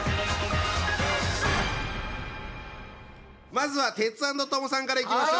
まずはテツａｎｄトモさんからいきましょう！